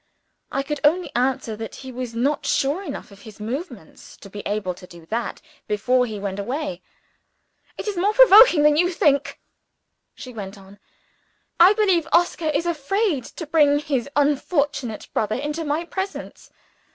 I could only answer that he was not sure enough of his movements to be able to do that before he went away. "It is more provoking than you think," she went on. "I believe Oscar is afraid to bring his unfortunate brother into my presence.